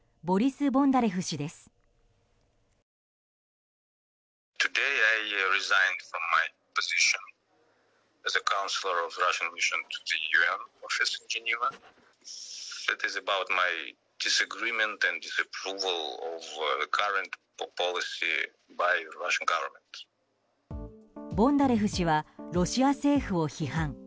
ボンダレフ氏はロシア政府を批判。